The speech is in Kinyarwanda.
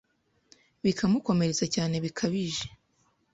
bikamukomeretsa cyane bikabije